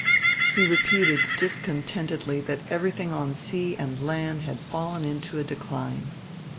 He repeated discontentedly that everything on sea and land had fallen into a decline.